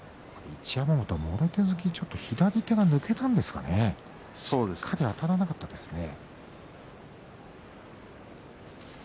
一山本、もろ手突き左手が抜けたんですかねあたらなかったですね。